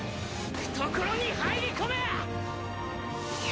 懐に入り込め！